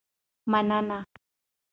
مننه.